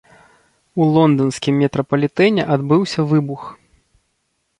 У лонданскім метрапалітэне адбыўся выбух.